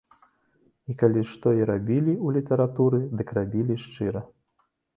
І калі што і рабілі ў літаратуры, дык рабілі шчыра.